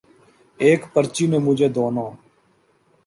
ایک پرچی نے مجھے دونوں